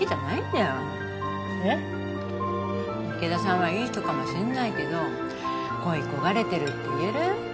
池田さんはいい人かもしんないけど恋い焦がれてるっていえる？